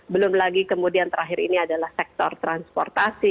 belum lagi kemudian terakhir ini adalah sektor transportasi